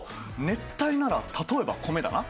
熱帯なら例えば米だな。